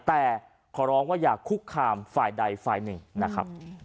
แต่ขอร้องว่าอย่าคุกคามฝ่ายใดฝ่ายหนึ่งนะครับ